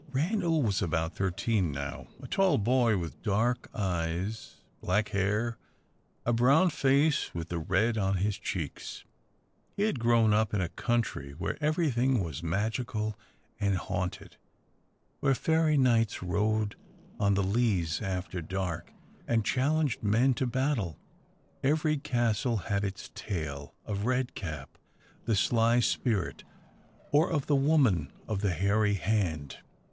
Randal was about thirteen now, a tall boy, with dark eyes, black hair, a brown face with the red on his cheeks. He had grown up in a country where everything was magical and haunted; where fairy knights rode on the leas after dark, and challenged men to battle. Every castle had its tale of Redcap, the sly spirit, or of the woman of the hairy hand.